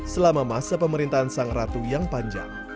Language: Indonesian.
selama masa pemerintahan sang ratu yang panjang